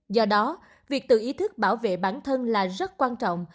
do đó việc tự ý thức bảo vệ bản thân là rất quan trọng